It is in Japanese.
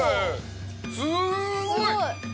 すごい！